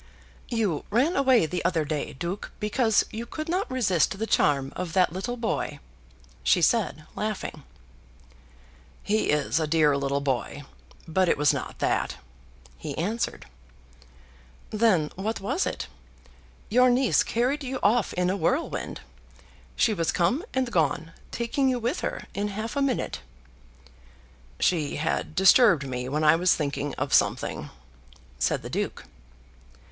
"You ran away the other day, Duke, because you could not resist the charm of that little boy," she said, laughing. "He is a dear little boy, but it was not that," he answered. "Then what was it? Your niece carried you off in a whirl wind. She was come and gone, taking you with her, in half a minute." "She had disturbed me when I was thinking of something," said the Duke.